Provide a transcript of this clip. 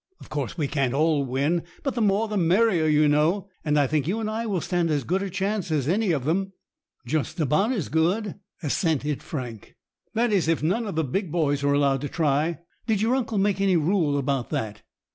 Of course we can't all win, but the more the merrier, you know, and I think you and I will stand as good a chance as any of them." "Just about as good," assented Frank. "That is, if none of the big boys are allowed to try. Did your uncle make any rule about that?"